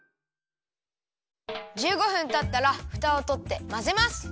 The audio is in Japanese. １５分たったらフタをとってまぜます。